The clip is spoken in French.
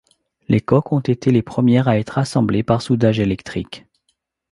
Les coques ont été les premières à être assemblées par soudage électrique.